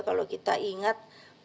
kalau kita ingat